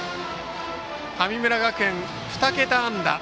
神村学園、２桁安打。